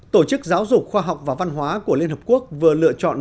tổ chức giáo dục khoa học và văn hóa của liên hợp quốc vừa lựa chọn